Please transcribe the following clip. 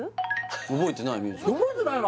覚えてないの？